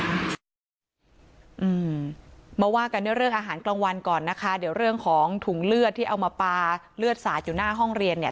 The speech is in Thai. อืมมาว่ากันด้วยเรื่องอาหารกลางวันก่อนนะคะเดี๋ยวเรื่องของถุงเลือดที่เอามาปลาเลือดสาดอยู่หน้าห้องเรียนเนี่ย